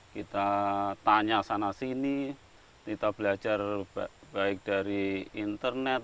kita tanya sana sini kita belajar baik dari internet